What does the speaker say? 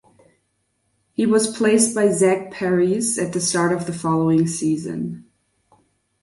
He was replaced by Zach Parise at the start of the following season.